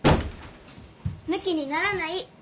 むきにならない！